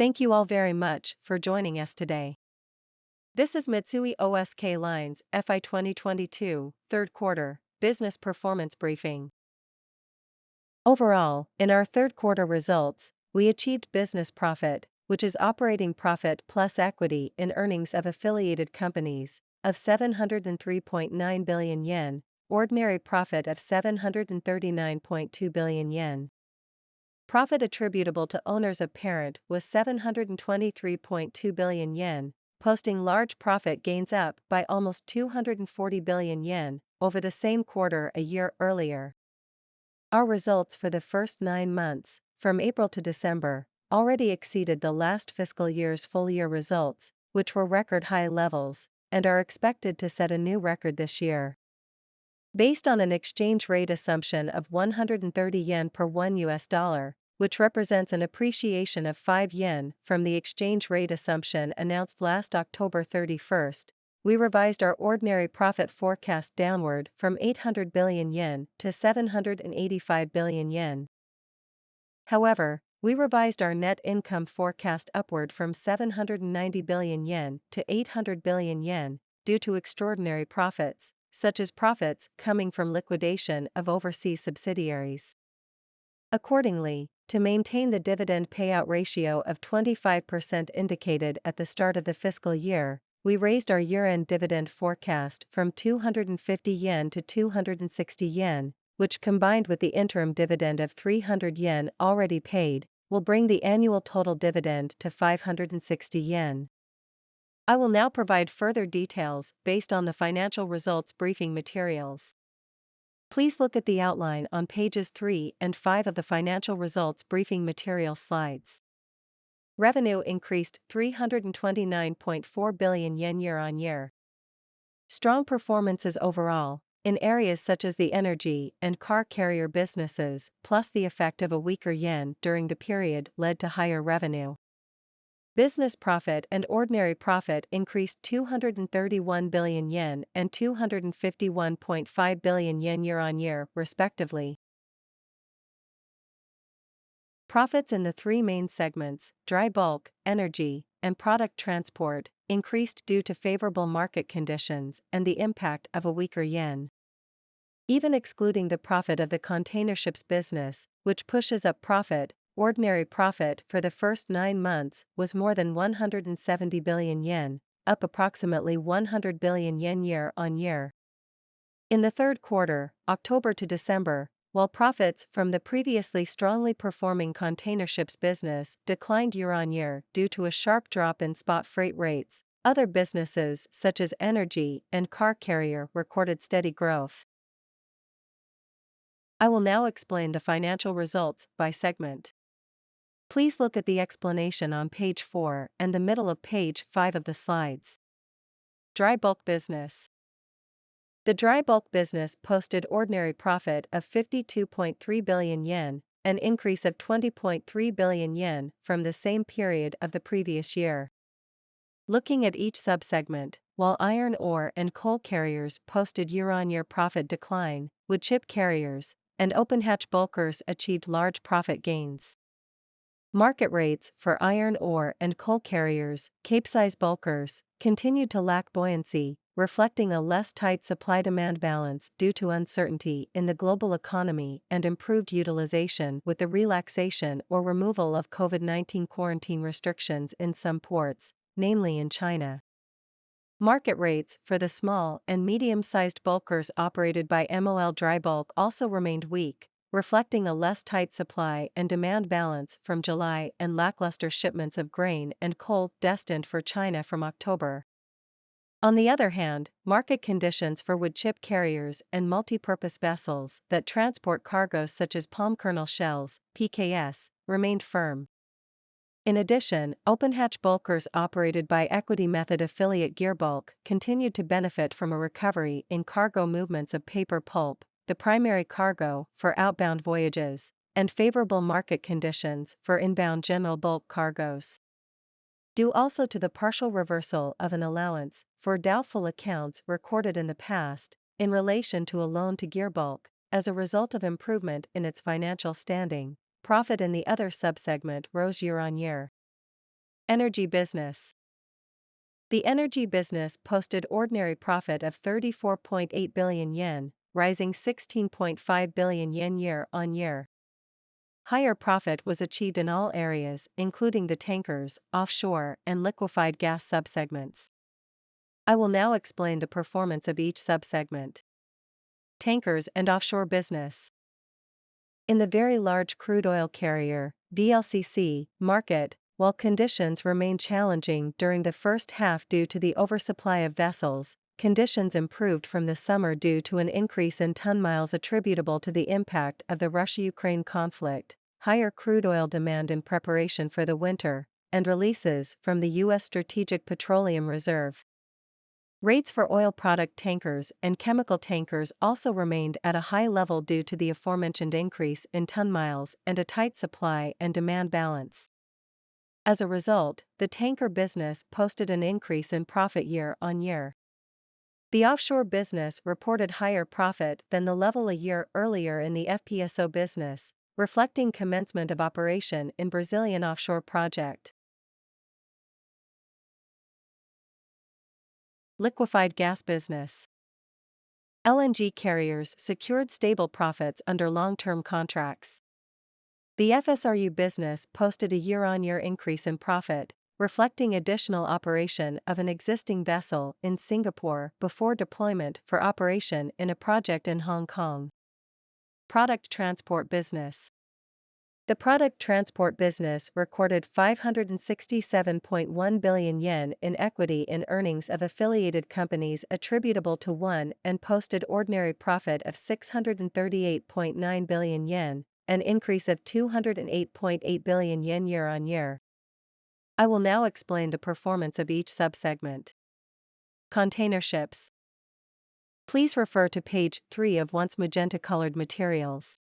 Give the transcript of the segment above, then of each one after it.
Thank you all very much for joining us today. This is Mitsui O.S.K. Lines FY2022 third quarter business performance briefing. Overall, in our third quarter results, we achieved business profit, which is operating profit plus equity in earnings of affiliated companies of 703.9 billion yen, ordinary profit of 739.2 billion yen. Profit attributable to owners of parent was 723.2 billion yen, posting large profit gains up by almost 240 billion yen over the same quarter a year earlier. Our results for the first nine months from April to December already exceeded the last fiscal year's full year results, which were record high levels and are expected to set a new record this year. Based on an exchange rate assumption of 130 yen per $1, which represents an appreciation of 5 yen from the exchange rate assumption announced last October 31st, we revised our ordinary profit forecast downward from 800 billion yen to 785 billion yen. We revised our net income forecast upward from 790 billion yen to 800 billion yen due to extraordinary profits, such as profits coming from liquidation of overseas subsidiaries. To maintain the dividend payout ratio of 25% indicated at the start of the fiscal year, we raised our year-end dividend forecast from 250 yen to 260 yen, which combined with the interim dividend of 300 yen already paid, will bring the annual total dividend to 560 yen. I will now provide further details based on the financial results briefing materials. Please look at the outline on pages three and five of the financial results briefing material slides. Revenue increased 329.4 billion yen year-over-year. Strong performances overall in areas such as the energy and car carrier businesses, plus the effect of a weaker yen during the period led to higher revenue. Business Profit and Ordinary Profit increased 231 billion yen and 251.5 billion yen year-over-year respectively. Profits in the three main segments, Dry Bulk, Energy, and Product Transport increased due to favorable market conditions and the impact of a weaker yen. Even excluding the profit of the containerships business, which pushes up profit, ordinary profit for the first nine months was more than 170 billion yen, up approximately 100 billion yen year-on-year. In the third quarter, October to December, while profits from the previously strongly performing containerships business declined year-on-year due to a sharp drop in spot freight rates, other businesses such as energy and car carrier recorded steady growth. I will now explain the financial results by segment. Please look at the explanation on page four and the middle of page five of the slides. Dry bulk business. The dry bulk business posted ordinary profit of 52.3 billion yen, an increase of 20.3 billion yen from the same period of the previous year. Looking at each sub-segment, while iron ore and coal carriers posted year on year profit decline, wood chip carriers and open hatch bulkers achieved large profit gains. Market rates for iron ore and coal carriers, Capesize bulkers, continued to lack buoyancy, reflecting a less tight supply-demand balance due to uncertainty in the global economy and improved utilization with the relaxation or removal of COVID-19 quarantine restrictions in some ports, namely in China. Market rates for the small and medium-sized bulkers operated by MOL Drybulk also remained weak, reflecting a less tight supply and demand balance from July and lackluster shipments of grain and coal destined for China from October. On the other hand, market conditions for wood chip carriers and multipurpose vessels that transport cargos such as palm kernel shells, PKS, remained firm. In addition, open hatch bulkers operated by equity method affiliate Gearbulk continued to benefit from a recovery in cargo movements of paper pulp, the primary cargo for outbound voyages and favorable market conditions for inbound general bulk cargos. Due also to the partial reversal of an allowance for doubtful accounts recorded in the past in relation to a loan to Gearbulk as a result of improvement in its financial standing, profit in the other sub-segment rose year-over-year. Energy business. The energy business posted ordinary profit of 34.8 billion yen, rising 16.5 billion yen year-over-year. Higher profit was achieved in all areas, including the tankers, offshore, and liquefied gas sub-segments. I will now explain the performance of each sub-segment. Tankers and offshore business. In the very large crude oil carrier, VLCC market, while conditions remain challenging during the first half due to the oversupply of vessels, conditions improved from the summer due to an increase in ton-miles attributable to the impact of the Russia-Ukraine conflict, higher crude oil demand in preparation for the winter, and releases from the U.S. Strategic Petroleum Reserve. Rates for oil product tankers and chemical tankers also remained at a high level due to the aforementioned increase in ton-miles and a tight supply and demand balance. As a result, the tanker business posted an increase in profit year-on-year. The offshore business reported higher profit than the level a year earlier in the FPSO business, reflecting commencement of operation in Brazilian offshore project. Liquefied gas business. LNG carriers secured stable profits under long-term contracts. The FSRU business posted a year-on-year increase in profit, reflecting additional operation of an existing vessel in Singapore before deployment for operation in a project in Hong Kong. Product transport business. The product transport business recorded 567.1 billion yen in equity in earnings of affiliated companies attributable to ONE and posted ordinary profit of 638.9 billion yen, an increase of 208.8 billion yen year-on-year. I will now explain the performance of each sub-segment. Container ships. Please refer to page three of ONE's magenta-colored materials.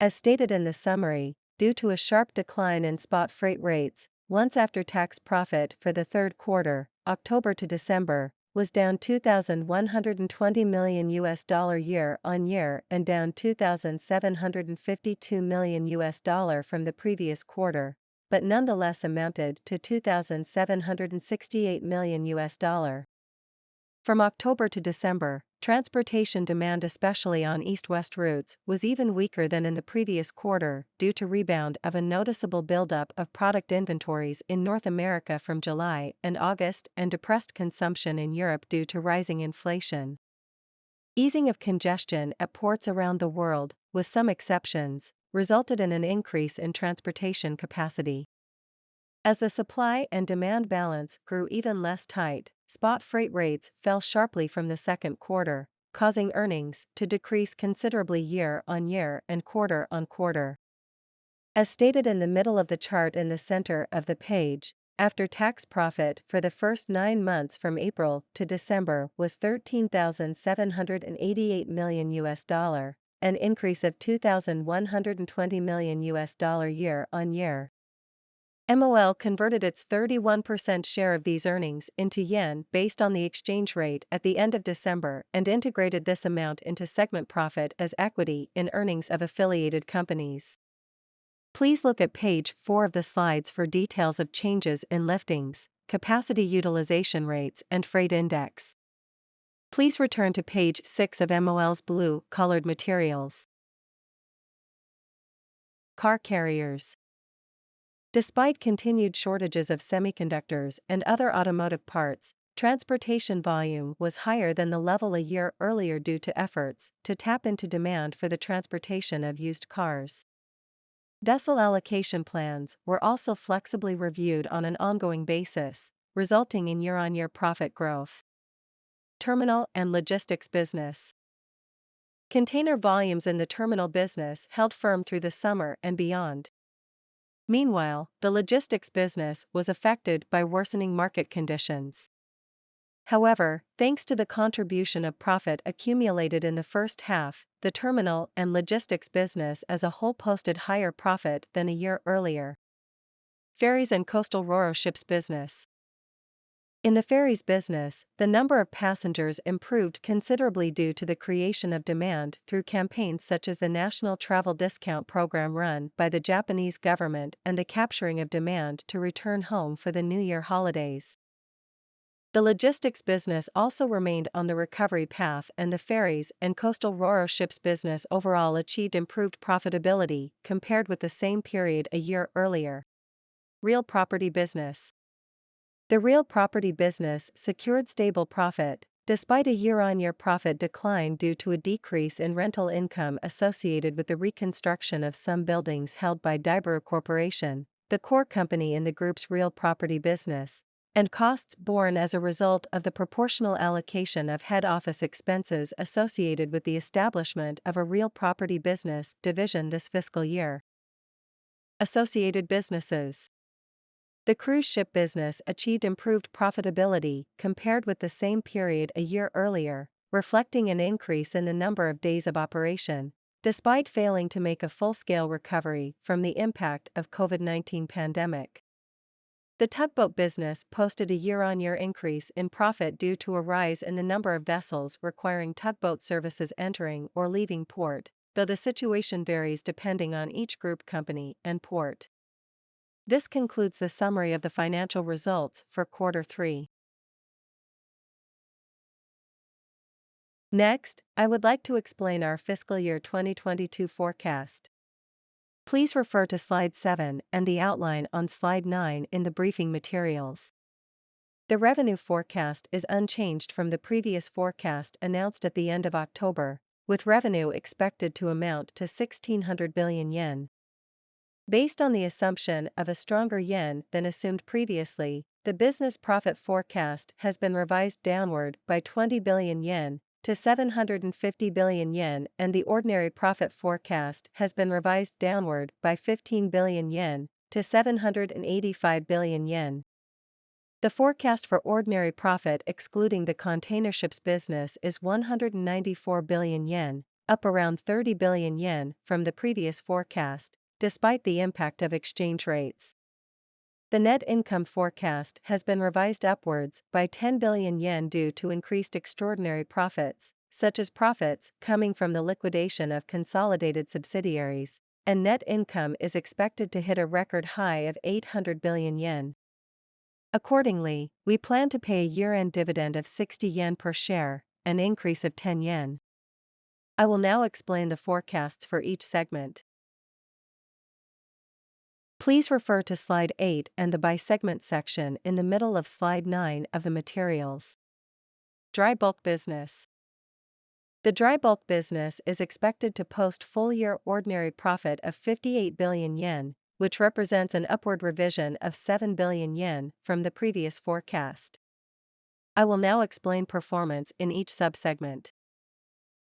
As stated in the summary, due to a sharp decline in spot freight rates, ONE's after-tax profit for the third quarter, October to December, was down $2.12 billion year-on-year and down $2.752 billion from the previous quarter, nonetheless amounted to $2.768 billion. From October to December, transportation demand especially on east-west routes was even weaker than in the previous quarter due to rebound of a noticeable buildup of product inventories in North America from July and August and depressed consumption in Europe due to rising inflation. Easing of congestion at ports around the world, with some exceptions, resulted in an increase in transportation capacity. As the supply and demand balance grew even less tight, spot freight rates fell sharply from the second quarter, causing earnings to decrease considerably year-on-year and quarter-on-quarter. As stated in the middle of the chart in the center of the page, after-tax profit for the first nine months from April to December was $13.788 billion, an increase of $2.12 billion year-on-year. MOL converted its 31% share of these earnings into yen based on the exchange rate at the end of December and integrated this amount into segment profit as equity in earnings of affiliated companies. Please look at page four of the slides for details of changes in liftings, capacity utilization rates, and freight index. Please return to page six of MOL's blue-colored materials. Car carriers. Despite continued shortages of semiconductors and other automotive parts, transportation volume was higher than the level a year earlier due to efforts to tap into demand for the transportation of used cars. Vessel allocation plans were also flexibly reviewed on an ongoing basis, resulting in year-on-year profit growth. Terminal and logistics business. Container volumes in the terminal business held firm through the summer and beyond. Meanwhile, the logistics business was affected by worsening market conditions. However, thanks to the contribution of profit accumulated in the first half, the terminal and logistics business as a whole posted higher profit than a year earlier. Ferries and coastal Ro-Ro ships business. In the ferries business, the number of passengers improved considerably due to the creation of demand through campaigns such as the National Travel Discount Program run by the Japanese government and the capturing of demand to return home for the new year holidays. The logistics business also remained on the recovery path, and the ferries and coastal Ro-Ro ships business overall achieved improved profitability compared with the same period a year earlier. Real property business. The real property business secured stable profit despite a year-on-year profit decline due to a decrease in rental income associated with the reconstruction of some buildings held by Daibiru Corporation, the core company in the group's real property business, and costs borne as a result of the proportional allocation of head office expenses associated with the establishment of a real property business division this fiscal year. Associated businesses. The cruise ship business achieved improved profitability compared with the same period a year earlier, reflecting an increase in the number of days of operation despite failing to make a full-scale recovery from the impact of COVID-19 pandemic. The tugboat business posted a year-on-year increase in profit due to a rise in the number of vessels requiring tugboat services entering or leaving port, though the situation varies depending on each group company and port. This concludes the summary of the financial results for quarter three. Next, I would like to explain our FY2022 forecast. Please refer to slide seven and the outline on slide 9 in the briefing materials. The revenue forecast is unchanged from the previous forecast announced at the end of October, with revenue expected to amount to 1.6 billion yen. Based on the assumption of a stronger yen than assumed previously, the business profit forecast has been revised downward by 20 billion yen to 750 billion yen, and the ordinary profit forecast has been revised downward by 15 billion yen to 785 billion yen. The forecast for ordinary profit excluding the containerships business is 194 billion yen, up around 30 billion yen from the previous forecast despite the impact of exchange rates. The net income forecast has been revised upwards by 10 billion yen due to increased extraordinary profits, such as profits coming from the liquidation of consolidated subsidiaries, and net income is expected to hit a record high of 800 billion yen. Accordingly, we plan to pay a year-end dividend of 60 yen per share, an increase of 10 yen. I will now explain the forecasts for each segment. Please refer to slide eight and the by segment section in the middle of slide eight of the materials. Dry bulk business. The dry bulk business is expected to post full year ordinary profit of 58 billion yen, which represents an upward revision of 7 billion yen from the previous forecast. I will now explain performance in each sub-segment.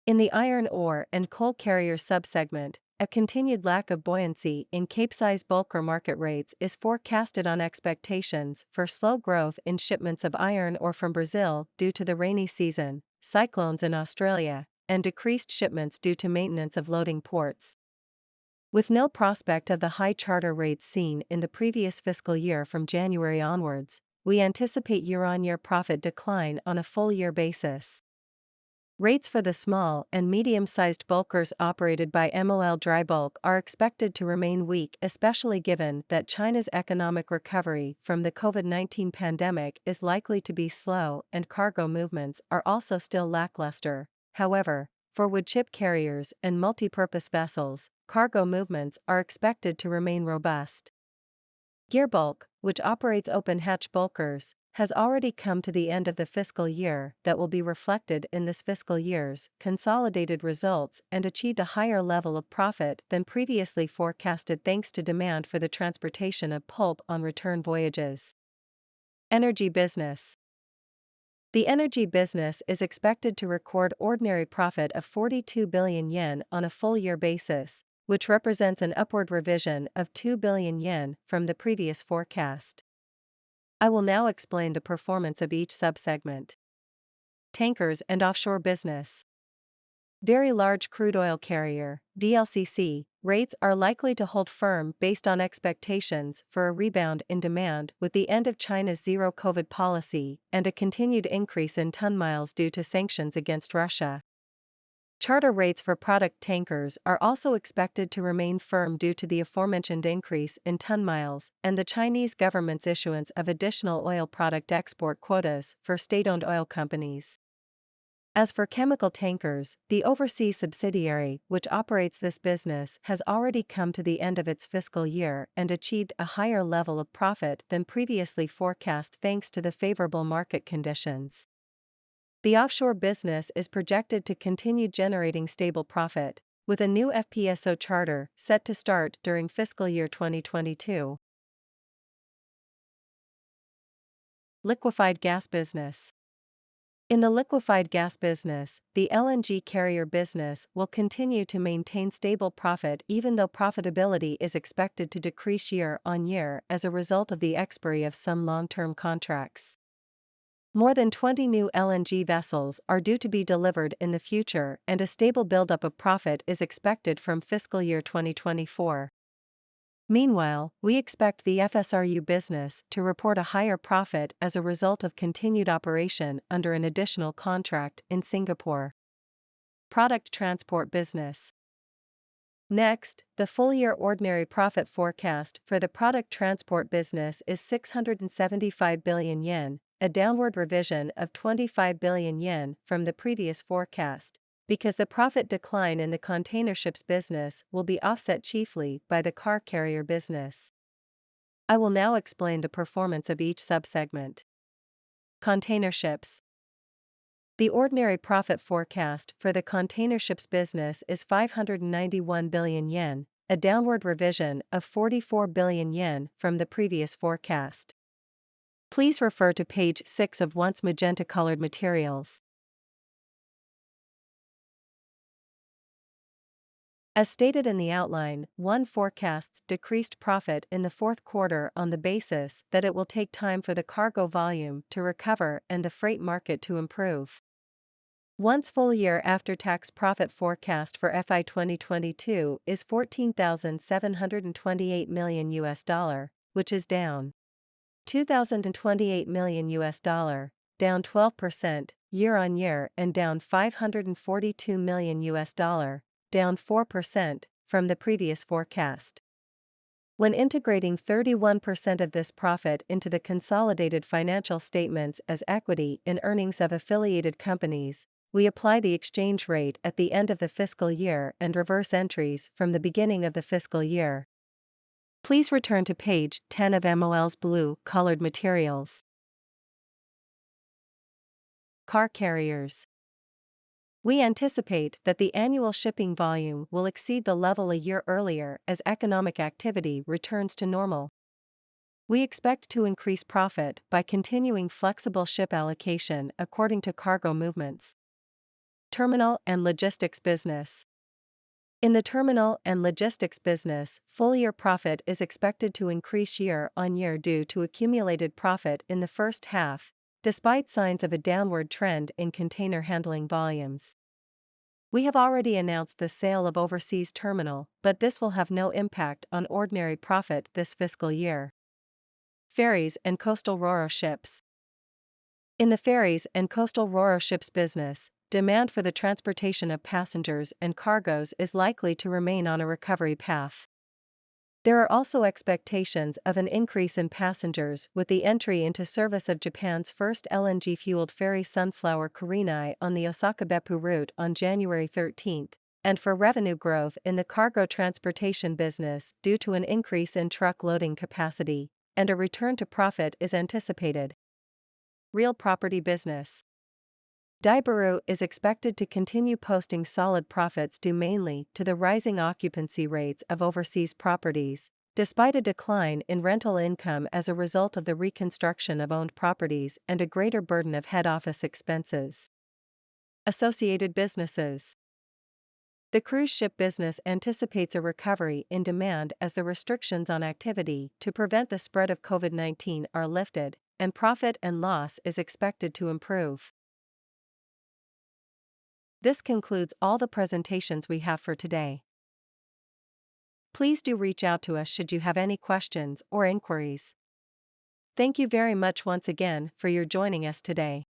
In the iron ore and coal carrier sub-segment, a continued lack of buoyancy in Capesize bulker market rates is forecasted on expectations for slow growth in shipments of iron ore from Brazil due to the rainy season, cyclones in Australia, and decreased shipments due to maintenance of loading ports. With no prospect of the high charter rates seen in the previous fiscal year from January onwards, we anticipate year-on-year profit decline on a full year basis. Rates for the small and medium-sized bulkers operated by MOL Drybulk are expected to remain weak, especially given that China's economic recovery from the COVID-19 pandemic is likely to be slow, and cargo movements are also still lackluster. For wood chip carriers and multipurpose vessels, cargo movements are expected to remain robust. Gearbulk, which operates open hatch bulkers, has already come to the end of the fiscal year that will be reflected in this fiscal year's consolidated results and achieved a higher level of profit than previously forecasted thanks to demand for the transportation of pulp on return voyages. Energy business. The energy business is expected to record ordinary profit of 42 billion yen on a full year basis, which represents an upward revision of 2 billion yen from the previous forecast. I will now explain the performance of each sub-segment. Tankers and offshore business. Very large crude oil carrier, VLCC, rates are likely to hold firm based on expectations for a rebound in demand with the end of China's zero-COVID policy and a continued increase in ton-miles due to sanctions against Russia. Charter rates for product tankers are also expected to remain firm due to the aforementioned increase in ton-miles and the Chinese government's issuance of additional oil product export quotas for state-owned oil companies. For chemical tankers, the overseas subsidiary which operates this business has already come to the end of its fiscal year and achieved a higher level of profit than previously forecast thanks to the favorable market conditions. The offshore business is projected to continue generating stable profit with a new FPSO charter set to start during fiscal year 2022. Liquefied gas business. In the liquefied gas business, the LNG carrier business will continue to maintain stable profit even though profitability is expected to decrease year on year as a result of the expiry of some long-term contracts. More than 20 new LNG vessels are due to be delivered in the future, and a stable buildup of profit is expected from fiscal year 2024. Meanwhile, we expect the FSRU business to report a higher profit as a result of continued operation under an additional contract in Singapore. Product transport business. The full year ordinary profit forecast for the product transport business is 675 billion yen, a downward revision of 25 billion yen from the previous forecast because the profit decline in the containerships business will be offset chiefly by the car carrier business. I will now explain the performance of each sub-segment. Containerships. The ordinary profit forecast for the containerships business is 591 billion yen, a downward revision of 44 billion yen from the previous forecast. Please refer to page six of ONE's magenta-colored materials. As stated in the outline, ONE forecasts decreased profit in the fourth quarter on the basis that it will take time for the cargo volume to recover and the freight market to improve. ONE's full year after-tax profit forecast for FY 2022 is $14.728 billion, which is down $2.028 billion, down 12% year-on-year, and down $542 million, down 4% from the previous forecast. When integrating 31% of this profit into the consolidated financial statements as equity in earnings of affiliated companies, we apply the exchange rate at the end of the fiscal year and reverse entries from the beginning of the fiscal year. Please return to page 10 of MOL's blue-colored materials. Car carriers. We anticipate that the annual shipping volume will exceed the level a year earlier as economic activity returns to normal. We expect to increase profit by continuing flexible ship allocation according to cargo movements. Terminal and logistics business. In the terminal and logistics business, full year profit is expected to increase year-on-year due to accumulated profit in the first half despite signs of a downward trend in container handling volumes. We have already announced the sale of overseas terminal, this will have no impact on ordinary profit this fiscal year. Ferries and coastal Ro-Ro ships. In the ferries and coastal Ro-Ro ships business, demand for the transportation of passengers and cargoes is likely to remain on a recovery path. There are also expectations of an increase in passengers with the entry into service of Japan's first LNG-fueled ferry Sunflower Kurenai on the Osaka Beppu route on January 13th, and for revenue growth in the cargo transportation business due to an increase in truck loading capacity, and a return to profit is anticipated. Real property business. Daibiru is expected to continue posting solid profits due mainly to the rising occupancy rates of overseas properties despite a decline in rental income as a result of the reconstruction of owned properties and a greater burden of head office expenses. Associated businesses. The cruise ship business anticipates a recovery in demand as the restrictions on activity to prevent the spread of COVID-19 are lifted, and profit and loss is expected to improve. This concludes all the presentations we have for today. Please do reach out to us should you have any questions or inquiries. Thank you very much once again for your joining us today.